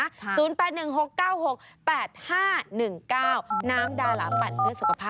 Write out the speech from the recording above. น้ำดาหลาปั่นเพื่อสุขภาพ